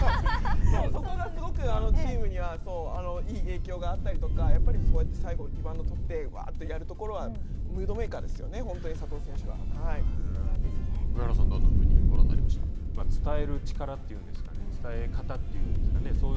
そこがすごくチームにはいい影響があったりとか、やっぱりこうやって最後リバウンドを取ってわあっとやるところはムードメーカーですよね、本当に上原さん、どんなふうにご覧に伝える力というのですかね、伝え方というんですかね。